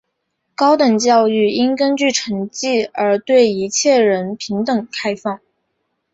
高等教育应根据成绩而对一切人平等开放。